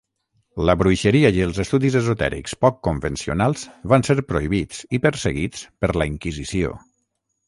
La bruixeria i els estudis esotèrics poc convencionals van ser prohibits i perseguits per la Inquisició.